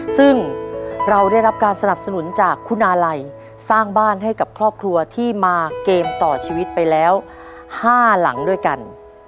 ซึ่งเราได้รับการสนับสนุนจากคุณอาลัยสร้างบ้านให้กับครอบครัวที่มาเกมต่อชีวิตไปแล้ว๕หลังด้วยกัน